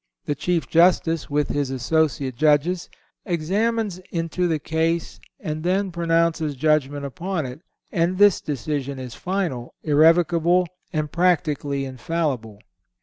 The Chief Justice, with his associate judges, examines into the case and then pronounces judgment upon it; and this decision is final, irrevocable and practically infallible.